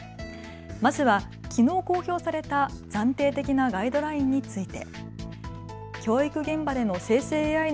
まずはきのう公表された暫定的なガイドラインについて。